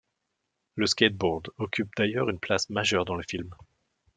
Le skateboard occupe d'ailleurs une place majeure dans le film.